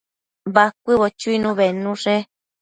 Bacuëbo chuinu bednushe